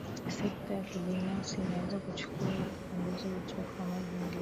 sekta ya kibinafsi inaweza kuchukua ili kupunguza uchafuzi wa mazingira